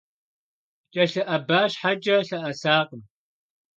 КӀэлъыӀэба щхьэкӀэ лъэӀэсакъым.